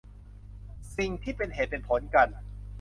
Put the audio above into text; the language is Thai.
สิ่งที่เป็นเหตุเป็นผลกัน